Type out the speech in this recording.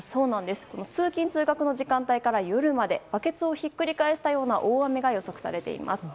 通勤・通学の時間帯から夜までバケツをひっくり返したような大雨が予測されています。